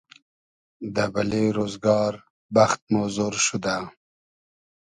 دۂ بئلې رۉزگار بئخت مۉ زۉر شودۂ